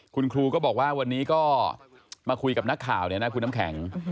คุณครูก็บอกว่าวันนี้ก็มาคุยกับนักข่าวเนี่ยนะคุณน้ำแข็ง